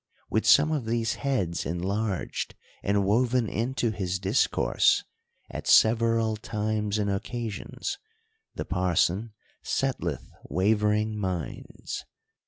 — With some of these heads enlarged, and woven into his discourse, at several times and occasions, the parson settleth waver ing minds.